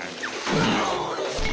うわ！